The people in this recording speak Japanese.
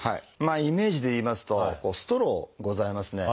イメージで言いますとストローございますね